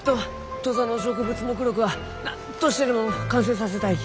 土佐の植物目録は何としてでも完成させたいき。